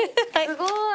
すごい！